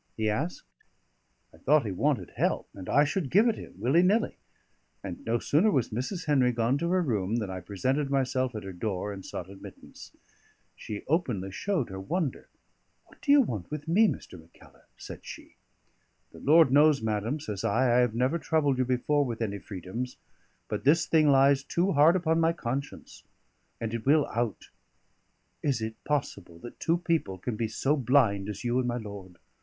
he asked. I thought he wanted help, and I should give it him, willy nilly; and no sooner was Mrs. Henry gone to her room than I presented myself at her door and sought admittance. She openly showed her wonder. "What do you want with me, Mr. Mackellar?" said she. "The Lord knows, madam," says I, "I have never troubled you before with any freedoms; but this thing lies too hard upon my conscience, and it will out. Is it possible that two people can be so blind as you and my lord?